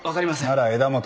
なら枝元。